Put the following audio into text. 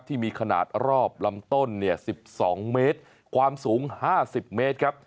ที่มีขนาดรอบลำต้น๑๒เมตรความสูง๕๐เมตรครับ